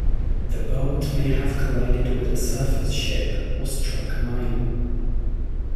The boat may have collided with a surface ship or struck a mine.